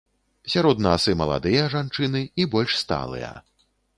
Сярод нас і маладыя жанчыны, і больш сталыя.